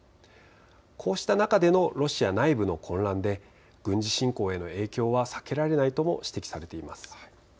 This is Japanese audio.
こうした中でのロシア内部の混乱で軍事侵攻への影響は避けられないとも指摘されています。